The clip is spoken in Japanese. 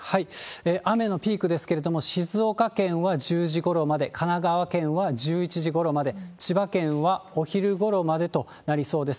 雨のピークですけれども、静岡県は１０時ごろまで、神奈川県は１１時ごろまで、千葉県はお昼ごろまでとなりそうです。